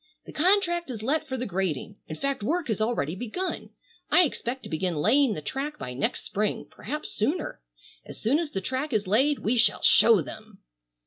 "The contract is let for the grading. In fact work has already begun. I expect to begin laying the track by next Spring, perhaps sooner. As soon as the track is laid we shall show them."